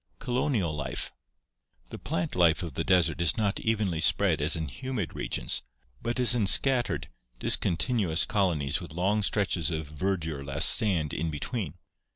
Colonial Life The plant life of the desert is not evenly spread as in humid re gions, but is in scattered, discontinuous colonies with long stretches of verdureless sand in between.